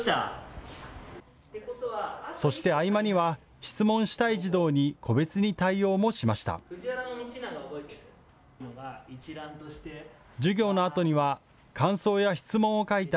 そして合間には質問したい児童に個別に対応もしました。